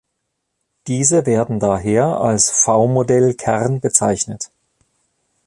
Diese werden daher als V-Modell-Kern bezeichnet.